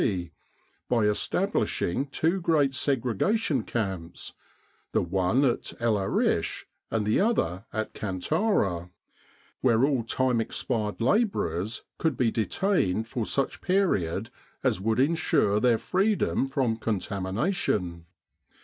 C., by establishing two great Segregation Camps, the one at El Arish, and the other at Kan tara, where all time expired labourers could be de tained for such period as would ensure their freedom from contamination.